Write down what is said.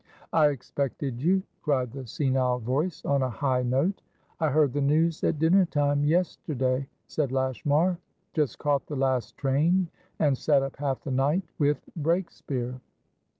"I expected you," cried the senile voice, on a high note. "I heard the news at dinner time yesterday;" said Lashmar. "Just caught the last train, and sat up half the night with Breakspeare."